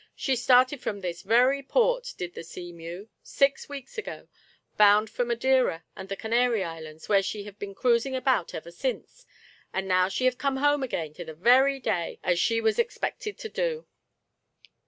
She started from this very port, did the SeameWy six weeks ago, bound for Madeira and the Canary Islands, where she have been cruising about ever since, and now she have come home again to the very day, as she was ex pected to do."